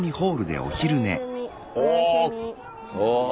おお。